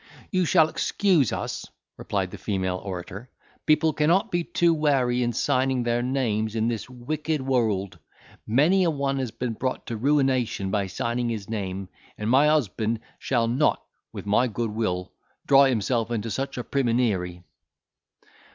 "You shall excuse us," replied the female orator; "people cannot be too wary in signing their names in this wicked world; many a one has been brought to ruination by signing his name, and my husband shall not, with my goodwill, draw himself into such a primmineery."